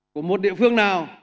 của một địa phương nào